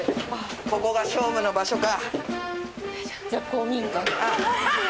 ここが勝負の場所か。